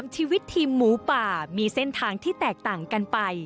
ชีวิตทีมหมูป่ามีเส้นทางที่แตกต่างกันไป